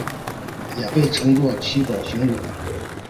也被称作七宝行者。